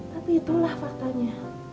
tapi itulah faktanya